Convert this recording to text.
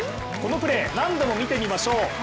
このプレー、何度も見てみましょう。